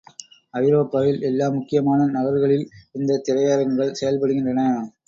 ஐரோப்பாவில் எல்லா முக்கியமான நகர்களில் இந்தத் திரையரங்குகள் செயல்படுகின்றன.